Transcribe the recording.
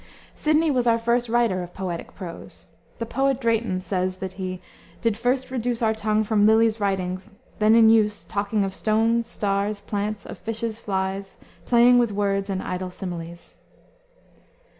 Sidney was our first writer of poetic prose. The poet Drayton says that he "did first reduce Our tongue from Lyly's writing, then in use, Talking of stones, stars, plants, of fishes, flies, Playing with words and idle similes."